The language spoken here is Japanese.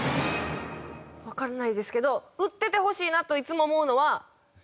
わかんないですけど売っててほしいなといつも思うのは。